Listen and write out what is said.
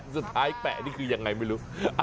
สุดท้ายแปะนี่คือยังไงไม่รู้